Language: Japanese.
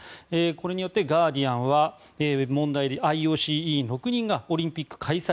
これによってガーディアンは問題のＩＯＣ委員６人がオリンピック開催